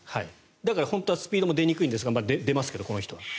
だから本当はスピードも出にくいんですが出ますけど、この人は。